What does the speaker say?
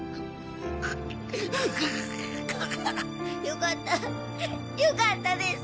よかったよかったです。